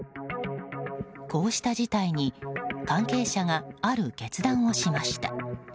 こうした事態に関係者がある決断をしました。